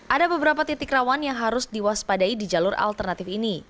ada beberapa titik rawan yang harus diwaspadai di jalur alternatif ini